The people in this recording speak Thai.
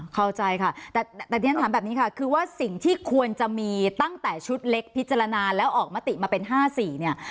เข้าใจค่ะแต่ที่ฉันถามแบบนี้ค่ะคือว่าสิ่งที่ควรจะมีตั้งแต่ชุดเล็กพิจารณาแล้วออกมาติมาเป็น๕๔เนี่ย